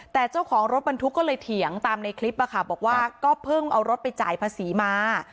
แต่เจ้าของรถบรรทุกก็เลยเถียงตามในคลิปบอกว่าก็เพิ่งเอารถไปจ่ายภาษีมา